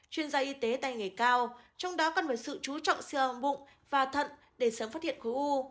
chuyên gia y tế tay nghề cao trong đó cần một sự chú trọng siêu âm bụng và thận để sớm phát hiện khối u